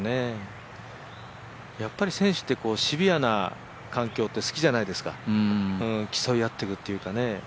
やっぱり選手ってシビアな環境って好きじゃないですか、競い合っていくというかね。